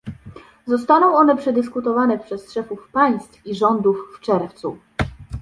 Zostaną one przedyskutowane przez szefów państw i rządów w czerwcu